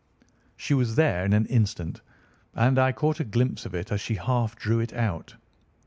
She was there in an instant, and I caught a glimpse of it as she half drew it out.